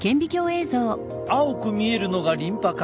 青く見えるのがリンパ管。